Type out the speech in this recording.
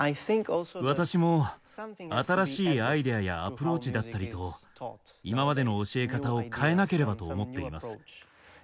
私も新しいアイデアやアプローチだったりと今までの教え方を変えなければと思っています。